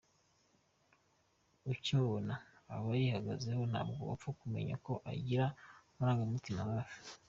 Ukimubona aba yihagazeho ntabwo wapfa kumenya ko agira amarangamutima hafi.